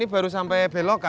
ini baru sampe belokan